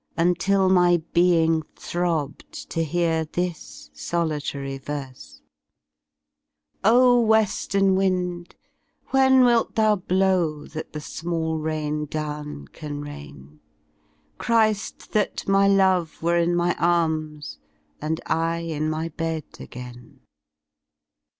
Until my being throbbed to hear This solitary verse: "O we^ern wind, when wilt thou blow That the small rain down can rain? Chri^! That my love were in my arms And I in my bed again!"